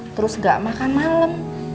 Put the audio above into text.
terus gak makan malam